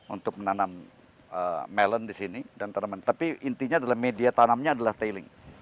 untuk menanam melon di sini dan tanaman tapi intinya adalah media tanamnya adalah tailing